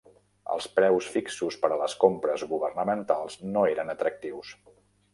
Els preus fixos per a les compres governamentals no eren atractius.